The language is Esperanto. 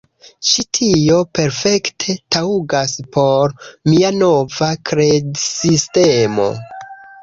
Ĉi tio perfekte taŭgas por mia nova kredsistemo